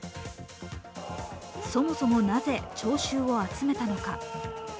そもそもなぜ、聴衆を集めたのか。